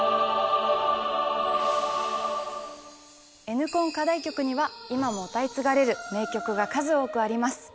Ｎコン課題曲には今も歌い継がれる名曲が数多くあります。